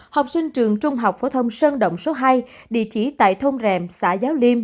học sinh trường trung học phổ thông sơn động số hai địa chỉ tại thôn rèm xã giáo liêm